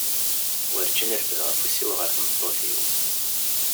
Warǧin refdeɣ afus-iw ɣer tmeṭṭut-iw.